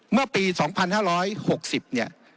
เมื่อปี๒๕๖๐เนี่ย